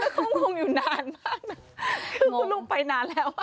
คือคุณลุงไปนานแล้ว